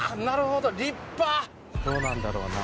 どうなんだろうな。